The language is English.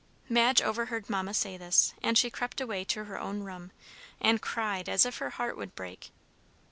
Madge overheard Mamma say this, and she crept away to her own room, and cried as if her heart would break.